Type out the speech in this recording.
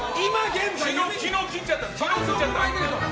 昨日切っちゃった。